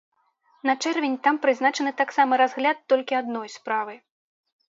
На чэрвень там прызначаны таксама разгляд толькі адной справы.